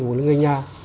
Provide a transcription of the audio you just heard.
của người nhà